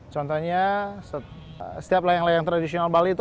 contohnya setiap layang layang tradisional bali itu